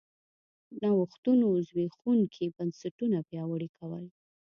نوښتونو زبېښونکي بنسټونه پیاوړي کول